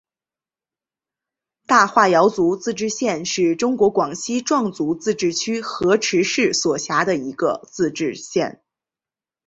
大化瑶族自治县是中国广西壮族自治区河池市所辖的一个自治县。